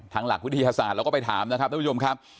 หลักวิทยาศาสตร์เราก็ไปถามนะครับท่านผู้ชมครับ